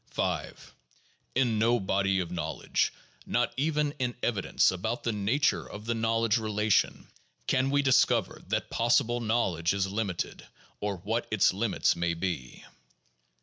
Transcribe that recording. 5. In no body of knowledge, not even in evidences about the na ture of the knowledge relation, can we discover that possible knowl edge is limited or what its limits may be.